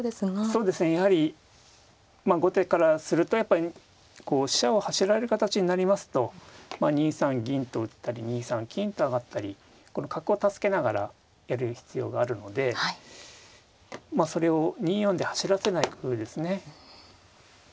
そうですねやはり後手からするとやっぱりこう飛車を走られる形になりますと２三銀と打ったり２三金と上がったりこの角を助けながらやる必要があるのでまあそれを２四で走らせない工夫ですね。